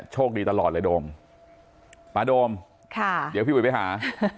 โชคดีตลอดเลยโดมป้าโดมค่ะเดี๋ยวพี่อุ๋ยไปหา